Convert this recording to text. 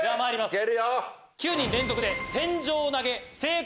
いけるよ！